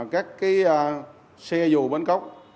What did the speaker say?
các xe dù bến cốc